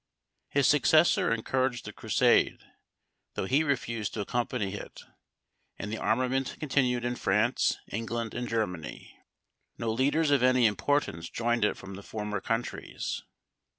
His successor encouraged the Crusade, though he refused to accompany it; and the armament continued in France, England, and Germany. No leaders of any importance joined it from the former countries.